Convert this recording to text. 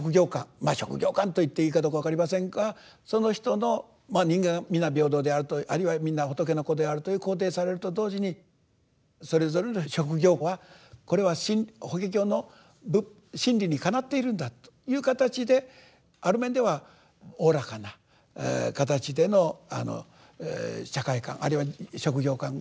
まあ職業観と言っていいかどうか分かりませんがその人の人間皆平等であるとあるいはみんな仏の子であると肯定されると同時にそれぞれの職業はこれは法華経の真理にかなっているんだいう形である面ではおおらかな形での社会観あるいは職業観があるのではないかと。